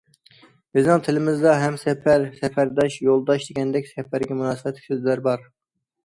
بىزنىڭ تىلىمىزدا‹‹ ھەمسەپەر، سەپەرداش، يولداش›› دېگەندەك سەپەرگە مۇناسىۋەتلىك سۆزلەر بار.